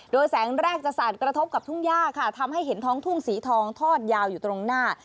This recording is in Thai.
โดยแสงแรกจะสาดกระทบกับทุ่งย่าค่ะทำให้เห็นท้องทุ่งสีทองทอดยาวอยู่ตรงหน้า